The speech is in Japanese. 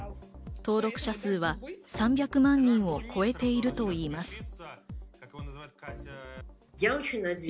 登録者数は３００万人を超えているといいます。